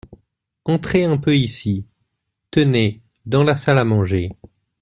Entrez un peu ici, tenez, dans la salle à manger.